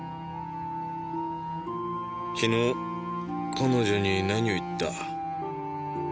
昨日彼女に何を言った？